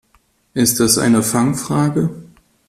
Ist das eine Fangfrage?